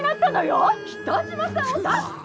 ・北島さんを出して！